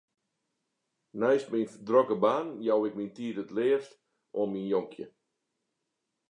Neist myn drokke baan jou ik myn tiid it leafst oan myn jonkje.